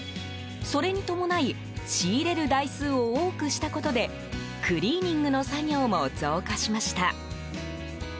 それに伴い仕入れる台数を多くしたことでクリーニングの作業も増加しました。